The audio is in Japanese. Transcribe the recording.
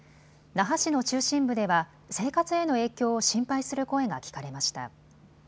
那覇市の中心部では生活への影響を心配する声が聞かれました。